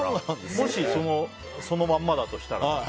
もしそのまんまだとしたらね。